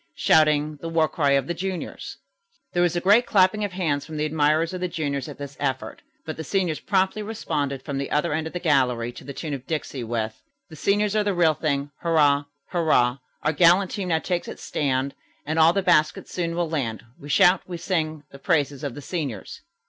Shouting the war cry of the juniors." There was a great clapping of hands from the admirers of the juniors at this effort, but the seniors promptly responded from the other end of the gallery to the tune of Dixie, with: "The seniors are the real thing. Hurrah! Hurrah! Our gallant team now takes its stand, And all the baskets soon will land. We shout, we sing, the praises of the seniors."